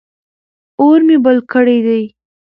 اور مې بل کړی دی.